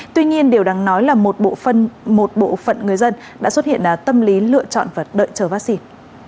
tuy nhiên điều đáng nói là một bộ phận người dân đã xuất hiện tâm lý lựa chọn và đợi chờ vaccine